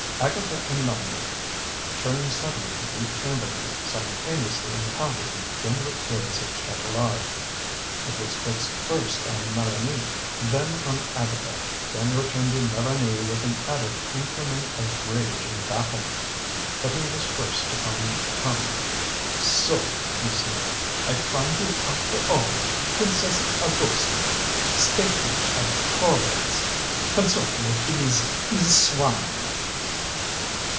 Agatha and Mélanie, turning suddenly to greet Chamberlain, simultaneously encountered the gimlet gaze of Chatelard. It was fixed first on Mélanie, then on Agatha, then returned to Mélanie with an added increment of rage and bafflement. But he was first to find tongue. "So!" he sneered. "I find you after all, Princess Auguste Stéphanie of Krolvetz! Consorting with these these swine!"